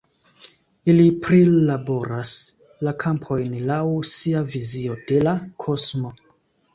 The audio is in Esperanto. Ili prilaboras la kampojn laŭ sia vizio de la kosmo.